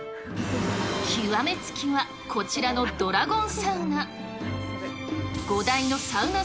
極め付きはこちらのドラゴンサウナ。